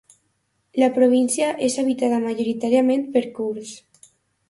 La província és habitada majoritàriament per kurds.